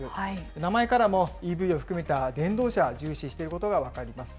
名前からも、ＥＶを含めた電動車、重視していることが分かります。